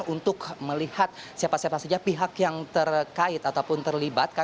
untuk melihat siapa siapa saja pihak yang terkait ataupun terlibat